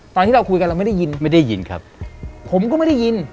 ตอนที่เราคุยกันเราไม่ได้ยินผมก็ไม่ได้ยิน